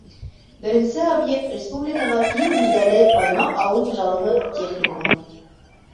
Беренсе объект — республикаға киң билдәле Баймаҡ ауыл хужалығы техникумы.